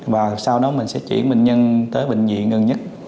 và sau đó mình sẽ chuyển bệnh nhân tới bệnh viện gần nhất